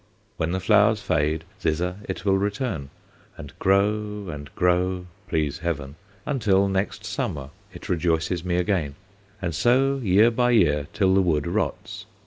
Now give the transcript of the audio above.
When the flowers fade, thither it will return, and grow and grow, please Heaven, until next summer it rejoices me again; and so, year by year, till the wood rots.